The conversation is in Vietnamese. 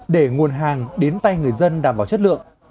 để nguồn hàng đến tay người dân đảm bảo chất lượng